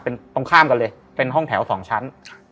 เป็นตรงข้ามกันเลยเป็นห้องแถว๒ชั้น